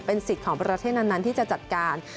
เป็นสิทธิ์ของประเทศนั้นนั้นที่จะจัดการ